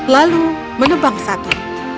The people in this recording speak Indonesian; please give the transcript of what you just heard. lalu menebang satu